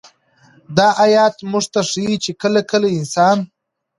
دا آيت موږ ته ښيي چې كله كله انسان